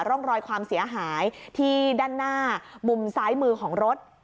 ร่องรอยความเสียหายที่ด้านหน้ามุมซ้ายมือของรถ